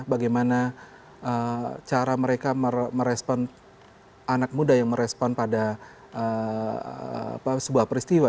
bagaimana cara mereka merespon anak muda yang merespon pada sebuah peristiwa